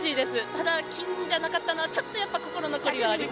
ただ金じゃなかったのはちょっと心残りあります。